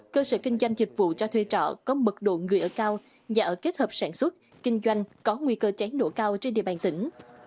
cơ sở kinh doanh dịch vụ cho thuê trọ có mật độ người ở cao nhà ở kết hợp sản xuất kinh doanh có nguy cơ cháy nổ cao trên địa bàn tỉnh